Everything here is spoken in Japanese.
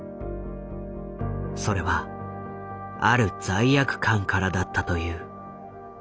それはある罪悪感からだったという。